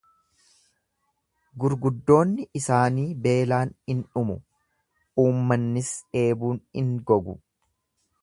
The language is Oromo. Gurguddoonni isaanii beelaan in dhumu, uummannis dheebun in gogu.